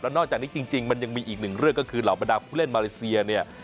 นอกจากนี้จริงมันยังมีอีกหนึ่งเรื่องก็คือเหล่าบรรดาผู้เล่นมาเลเซียเนี่ย